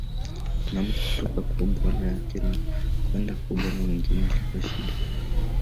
Mwanamke kutoka kwa bwana yake na kwenda kwa bwana mwingine ilikuwa shida.